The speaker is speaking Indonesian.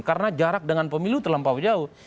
karena jarak dengan pemilu terlampau jauh